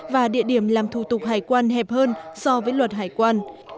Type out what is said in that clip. và địa điểm làm thủ tục hải quan hẹp hơn so với luật hải quan